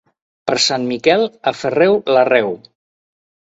Per Sant Miquel, aferreu l'arreu.